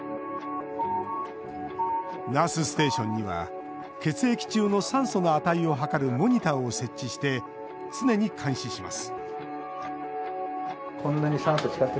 ナースステーションには血液中の酸素の値を測るモニターを設置して常に監視します